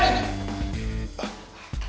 coba ke tempat nih